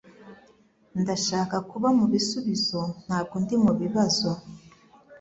Ndashaka kuba mubisubizo, ntabwo ndi mubibazo.